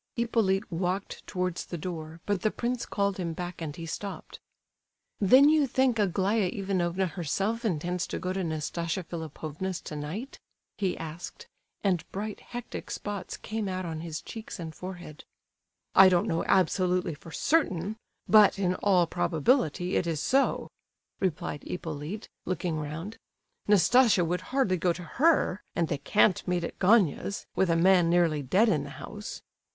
Hippolyte walked towards the door, but the prince called him back and he stopped. "Then you think Aglaya Ivanovna herself intends to go to Nastasia Philipovna's tonight?" he asked, and bright hectic spots came out on his cheeks and forehead. "I don't know absolutely for certain; but in all probability it is so," replied Hippolyte, looking round. "Nastasia would hardly go to her; and they can't meet at Gania's, with a man nearly dead in the house."